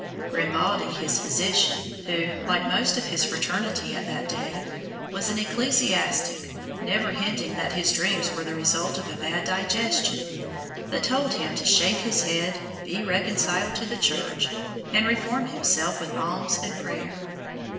Grimbalde, his physician, who, like most of his fraternity at that day, was an ecclesiastic, never hinted that his dreams were the result of a bad digestion, but told him to shave his head, be reconciled to the Church, and reform himself with alms and prayer.